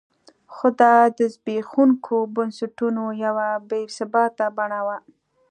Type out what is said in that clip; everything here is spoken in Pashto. خو دا د زبېښونکو بنسټونو یوه بې ثباته بڼه وه.